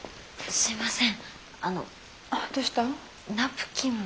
すいません。